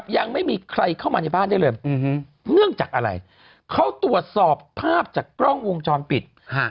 ยังไม่มีใครเข้ามาในบ้านได้เลยเนื่องจากอะไรเขาตรวจสอบภาพจากกล้องวงจรปิด